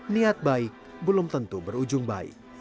niat baik belum tentu berujung baik